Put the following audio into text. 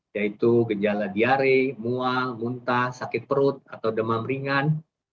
yaitu gejala diare mual muntah sakit perut atau demam ringan